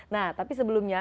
nah tapi sebelumnya